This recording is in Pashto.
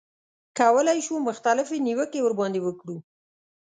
کولای شو مختلفې نیوکې ورباندې وکړو.